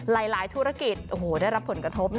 หลายธุรกิจโอ้โหได้รับผลกระทบ